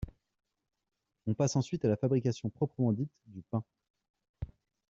On passe ensuite à la fabrication proprement dite du pain.